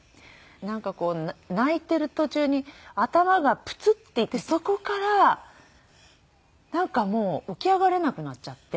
なんかこう泣いている途中に頭がプツッていってそこからなんかもう起き上がれなくなっちゃって。